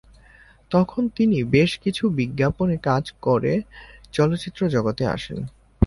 তখন তিনি বেশ কিছু বিজ্ঞাপনে কাজ করে চলচ্চিত্র জগতে আসেন।